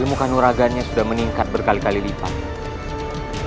kemungkinannya sudah meningkat berkali kali lipat